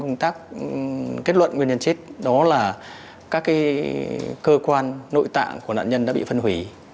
công tác kết luận nguyên nhân chết đó là các khi cơ quan nội tạng của nạn nhân đã bị phân hủy cái chữ đó là các cơ quan nội tạng của nạn nhân đã bị phân hủy